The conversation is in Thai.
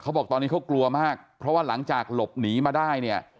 บอกตอนนี้เขากลัวมากเพราะว่าหลังจากหลบหนีมาได้เนี่ย